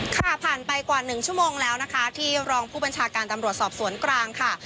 ค่ะผ่านไปกว่า๑ชั่วโมงแล้วนะคะที่รองผู้บัญชาการตำรวจสอบสวนกลางค่ะ